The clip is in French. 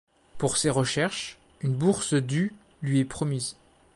Pour ses recherches une bourse du lui est promise.